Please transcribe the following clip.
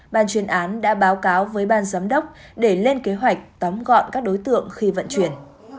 ban chuyên án đã báo cáo với ban giám đốc để lên kế hoạch tóm gọn các đối tượng khi vận chuyển